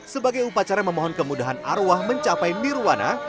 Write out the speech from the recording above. sebagai upacara memohon kemudahan arwah mencapai nirwana